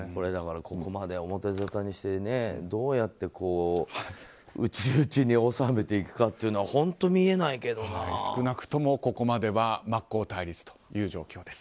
ここまで表ざたにしてどうやって内内に収めていくか少なくともここまでは真っ向対立の状況です。